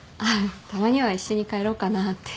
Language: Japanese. たまには一緒に帰ろうかなって。